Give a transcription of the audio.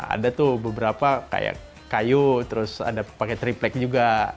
ada tuh beberapa kayak kayu terus ada pakai triplek juga